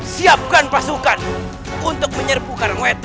siapkan pasukan untuk menyerbu karangwetan